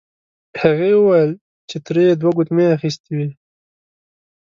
هغې وویل چې تره یې دوه ګوتمۍ اخیستې وې.